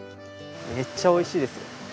めっちゃ美味しいですよ。